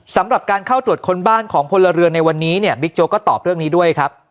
สำหรับการเข้าตรวจค้นบ้านของพลเรือนในวันนี้เนี่ยบิ๊กโจ๊กก็ตอบเรื่องนี้ด้วยครับ